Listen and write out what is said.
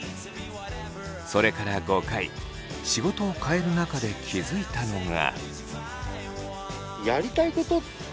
それから５回仕事を変える中で気付いたのが。